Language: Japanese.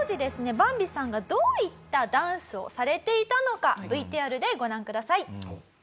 バンビさんがどういったダンスをされていたのかＶＴＲでご覧ください。